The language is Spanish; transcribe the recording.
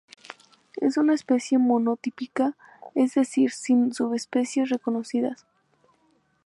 Es una especie monotípica, es decir, sin subespecies reconocidas.